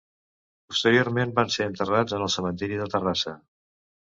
Posteriorment van ser enterrats en el cementiri de Terrassa.